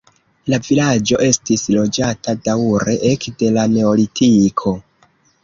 La vilaĝo estis loĝata daŭre ekde la neolitiko.